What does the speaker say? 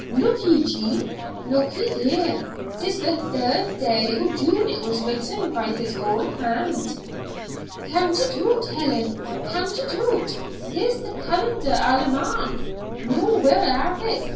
Look ye, Jean! Look ye! Here 'tis the third day o' June it was written by his own hand." "Count it oot, Ellen, count it oot! Here's the calendar almanac. Noo we'll ha'e it.